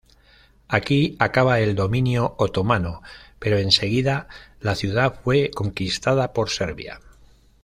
Aquí acaba el dominio otomano, pero enseguida la ciudad fue conquistada por Serbia.